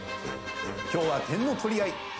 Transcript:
「今日は点の取り合い！」。